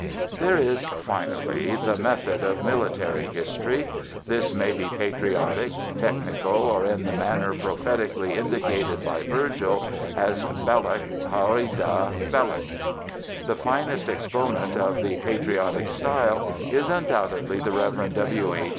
There is, finally, the method of military history. This may be patriotic, technical, or in the manner prophetically indicated by Virgil as Belloc, horrida Belloc. The finest exponent of the patriotic style is undoubtedly the Rev. W. H.